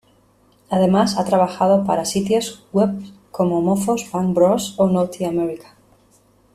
Además, ha trabajado para sitios web como Mofos, Bang Bros o Naughty America.